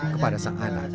kepada sang anak